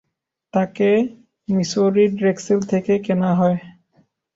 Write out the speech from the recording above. তাকে মিসৌরির ড্রেক্সেল থেকে কেনা হয়।